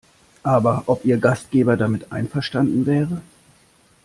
Aber ob ihr Gastgeber damit einverstanden wäre?